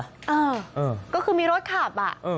เออก็คือมีรถขับอ่ะ